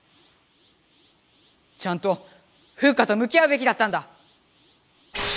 ちゃんとフウカとむき合うべきだったんだ！